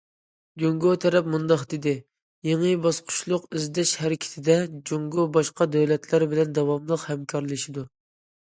جۇڭگو تەرەپ مۇنداق دېدى: يېڭى باسقۇچلۇق ئىزدەش ھەرىكىتىدە، جۇڭگو باشقا دۆلەتلەر بىلەن داۋاملىق ھەمكارلىشىدۇ.